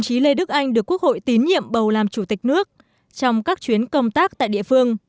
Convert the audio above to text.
chí lê đức anh được quốc hội tín nhiệm bầu làm chủ tịch nước trong các chuyến công tác tại địa phương